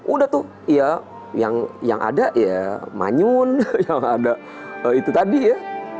udah tuh ya yang ada ya manyun yang ada itu tadi ya